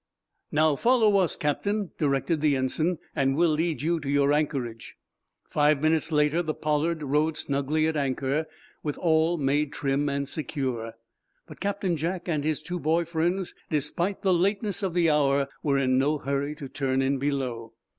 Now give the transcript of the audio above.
"Now, follow us, captain," directed the ensign, "and we'll lead you to your anchorage." Five minutes later the "Pollard" rode snugly at anchor, with all made trim and secure. But Captain Jack and his two boy friends, despite the lateness of the hour, were in no hurry to turn in below.